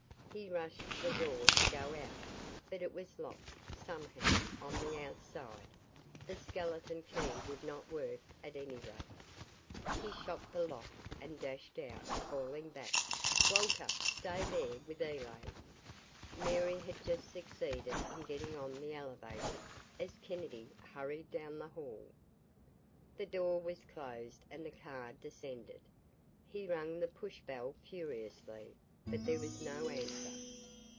He rushed to the door to go out, but it was locked somehow, on the outside. The skeleton key would not work, at any rate. He shot the lock, and dashed out, calling back, "Walter, stay there with Elaine." Mary had just succeeded in getting on the elevator as Kennedy hurried down the hall. The door was closed and the car descended. He rang the push bell furiously, but there was no answer.